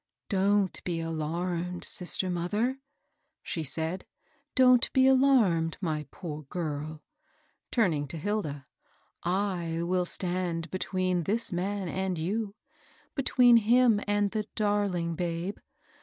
" Don't be alarmed, sister mother," she said — "don't be alarmed, my poor girl," turning to Hilda ;" I will stand between this man and you — between him and the darling babe.